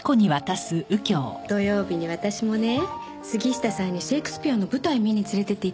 土曜日に私もね杉下さんにシェイクスピアの舞台観に連れていって頂くんです。